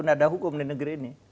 tidak ada hukum di negeri ini